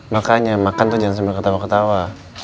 makanya makan jangan sambil ketawa ketawa